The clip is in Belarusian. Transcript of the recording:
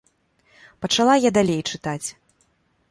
Пачала я далей чытаць.